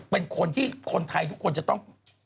เป็นคนที่คนไทยทุกคนจะต้อง